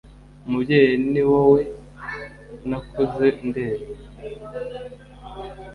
umubyeyi ni wowe nakuze ndeba